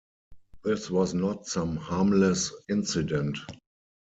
This was not some harmless incident.